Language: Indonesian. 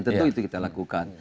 tentu itu kita lakukan